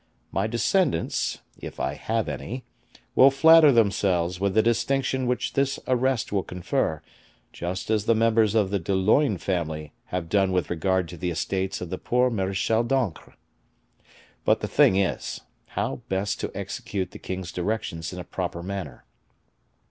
My descendants, if I have any, will flatter themselves with the distinction which this arrest will confer, just as the members of the De Luynes family have done with regard to the estates of the poor Marechal d'Ancre. But the thing is, how best to execute the king's directions in a proper manner.